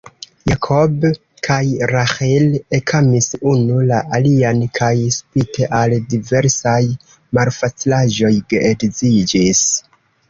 Jakob kaj Raĥil ekamis unu la alian, kaj, spite al diversaj malfacilaĵoj, geedziĝis.